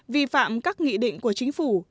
vi phạm các nghị định của chính phủ